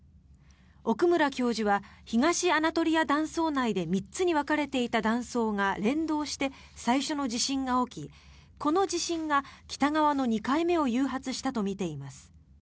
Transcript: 奥村教授は東アナトリア断層内で３つに分かれていた断層が連動して最初の地震が起きこの地震が北側の２回目を誘発したとみています。